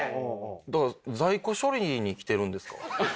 だから在庫処理に来てるんですか？